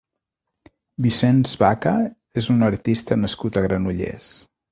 Vicens Vacca és un artista nascut a Granollers.